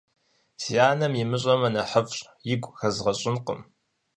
Си анэми имыщӀэмэ нэхъыфӀщ, игу хэзгъэщӀынкъым.